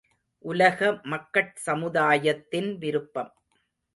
உலக மக்கட் சமுதாயத்தின் விருப்பம்.